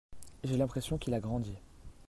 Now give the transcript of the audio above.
j'ai l'impression qu'il a grandi.